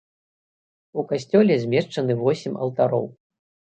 У касцёле змешчаны восем алтароў.